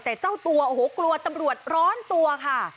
แต่เจ้าตัวโอ้โหกลัวตำรวจร้อนตัวค่ะ